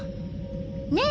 ねえ